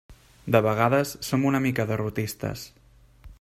De vegades som una mica derrotistes.